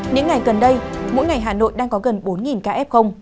những ngày gần đây mỗi ngày hà nội đang có gần bốn ca f